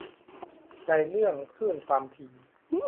ในเรื่องคลื่นความถี่